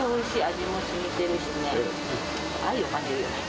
味もしみてるしね、愛を感じるよね。